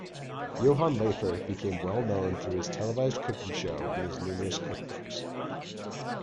Johann Lafer became well-known through his televised cooking show and his numerous cookbooks.